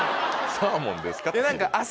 サーモンですか？